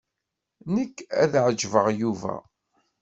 Nekk ad ɛejbeɣ Yuba.